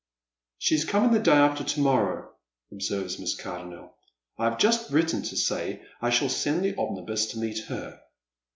" She is coming the day after to morrow," observes Miss Car donnel. " I have just written to say I shall send the omnibus to meet her."